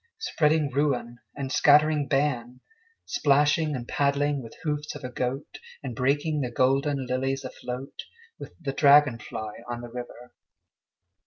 Spreading ruin and scattering ban, Splashing and paddling with hoofs of a goat, And breaking the golden lilies afloat With the dragon fly on the river.